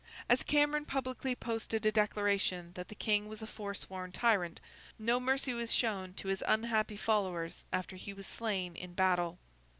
As Cameron publicly posted a declaration that the King was a forsworn tyrant, no mercy was shown to his unhappy followers after he was slain in battle.